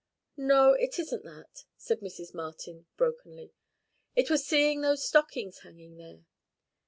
"No, it isn't that," said Mrs. Martin brokenly "It was seeing those stockings hanging there.